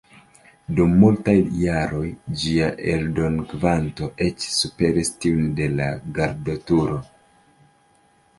Dum multaj jaroj ĝia eldonkvanto eĉ superis tiun de "La Gardoturo".